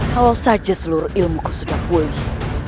kalau saja seluruh ilmu ku sudah pulih